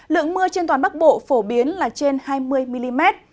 lượng mưa trên toàn bắc bộ phổ biến là trên hai mươi mm